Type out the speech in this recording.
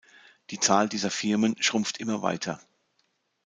Die Zahl dieser Firmen schrumpft immer weiter.